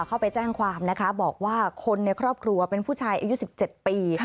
เข้าไปแจ้งความนะคะบอกว่าคนในครอบครัวเป็นผู้ชายอายุ๑๗ปี